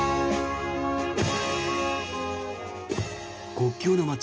国境の街